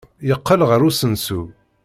Yeqqel ɣer usensu.